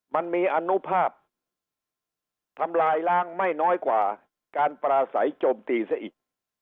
มันมีอนุภาพทำลายล้างไม่น้อยกว่าการปราศัยโจมตีซะอีก